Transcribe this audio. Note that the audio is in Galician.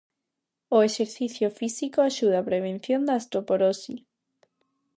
O exercicio físico axuda á prevención da osteoporose.